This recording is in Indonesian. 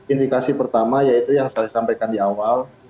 indikasi pertama yaitu yang saya sampaikan di awal